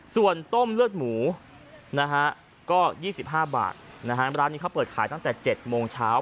ส่วนต้มเลือดหมูนะฮะก็๒๕บาทนะฮะร้านนี้เขาเปิดขายตั้งแต่๗โมงเช้า